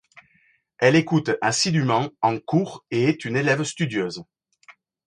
Elle écoute assidûment en cours et est une élève studieuse.